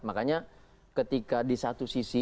makanya ketika di satu sisi